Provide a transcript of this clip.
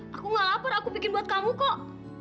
aku gak lapar aku bikin buat kamu kok